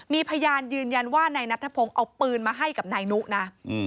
มีพยานยืนยันว่านายนัทธพงศ์เอาปืนมาให้กับนายนุนะ